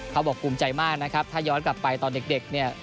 บอกภูมิใจมากนะครับถ้าย้อนกลับไปตอนเด็กเนี่ย